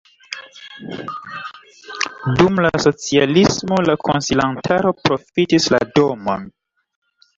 Dum la socialismo la konsilantaro profitis la domon.